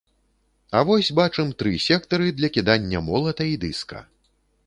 А вось бачым тры сектары для кідання молата і дыска.